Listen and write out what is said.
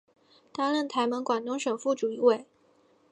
担任台盟广东省副主委。